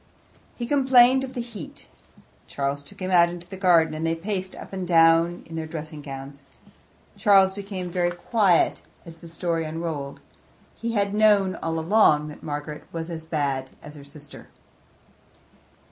He complained of the heat. Charles took him out into the garden, and they paced up and down in their dressing gowns. Charles became very quiet as the story unrolled; he had known all along that Margaret was as bad as her sister.